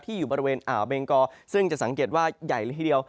อยู่บริเวณอ่าวเบงกอซึ่งจะสังเกตว่าใหญ่เลยทีเดียว